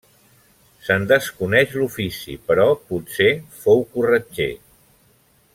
Se'n desconeix l'ofici, però potser fou corretger.